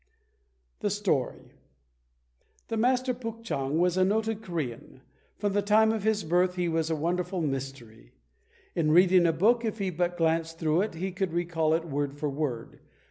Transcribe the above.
"] The Story The Master, Puk chang, was a noted Korean. From the time of his birth he was a wonderful mystery. In reading a book, if he but glanced through it, he could recall it word for word.